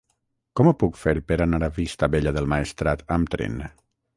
Com ho puc fer per anar a Vistabella del Maestrat amb tren?